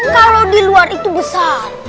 kalau di luar itu besar